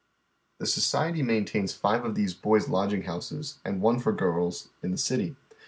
" The Society maintains five of these boys' lodging houses, and one for girls, in the city.